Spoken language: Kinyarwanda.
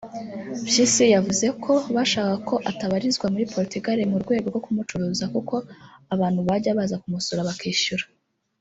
Mpyisi yavuze ko bashakaga ko atabarizwa muri Portugal mu rwego rwo kumucuruza kuko abantu bajya baza kumusura bakishyura